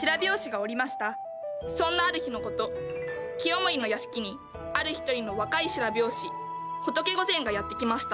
そんなある日のこと清盛の屋敷にある一人の若い白拍子仏御前がやって来ました。